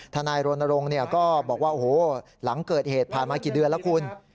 นายรณรงค์ก็บอกว่าโอ้โหหลังเกิดเหตุผ่านมากี่เดือนแล้วคุณ